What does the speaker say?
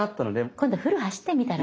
今度フル走ってみたら？